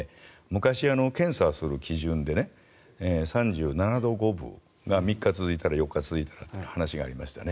昔、検査をする基準で３７度５分が３日続いたり４日続いたりという話がありましたね。